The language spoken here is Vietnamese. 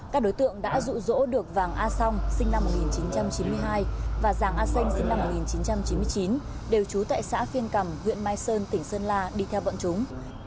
các đối tượng đã rụ rỗ được vàng a song sinh năm một nghìn chín trăm chín mươi hai và giàng a xanh sinh năm một nghìn chín trăm chín mươi chín đều trú tại xã phiên cầm huyện mai sơn tỉnh sơn la đi theo bọn chúng